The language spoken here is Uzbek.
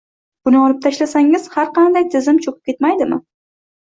Buni olib tashlasangiz, har qanday tizim cho‘kib ketmaydimi?